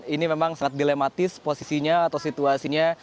ini memang sangat dilematis posisinya atau situasinya